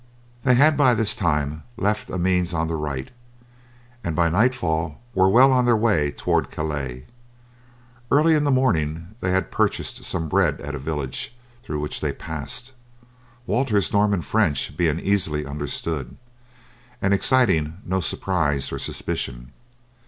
They had by this time left Amiens on the right, and by nightfall were well on their way towards Calais. Early in the morning they had purchased some bread at a village through which they passed; Walter's Norman French being easily understood, and exciting no surprise or suspicion.